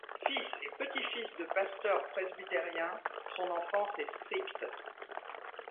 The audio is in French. Fils et petits-fils de pasteurs presbytériens, son enfance est stricte.